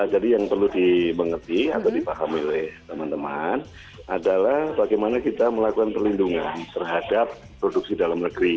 jadi yang perlu dimengerti atau dipahami oleh teman teman adalah bagaimana kita melakukan perlindungan terhadap produksi dalam negeri